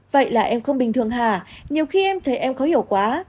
vậy là em không bình thường hả nhiều khi em thấy em khó hiểu quá